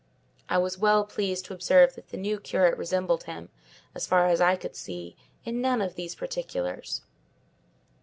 I was well pleased to observe that the new curate resembled him, as far as I could see, in none of these particulars.